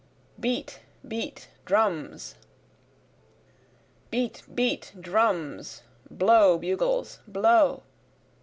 Beat! Beat! Drums! Beat! beat! drums! blow! bugles! blow!